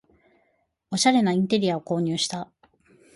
おしゃれなインテリアを購入した